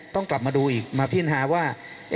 ต้องกลับมาดูอีกมาพิจารณาว่า